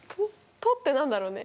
「と」って何だろうね？